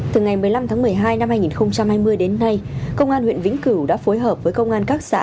từ ngày một mươi năm tháng một mươi hai năm hai nghìn hai mươi đến nay công an huyện vĩnh cửu đã phối hợp với công an các xã